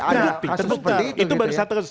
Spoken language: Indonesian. terbukti terbuka itu baru satu kasus